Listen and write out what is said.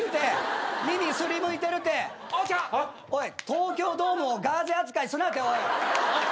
東京ドームをガーゼ扱いすなっておい。